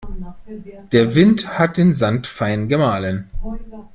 Der Wind hat den Sand fein gemahlen.